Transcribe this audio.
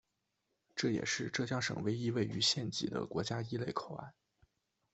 这也是浙江省唯一位于县级的国家一类口岸。